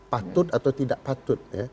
patut atau tidak patut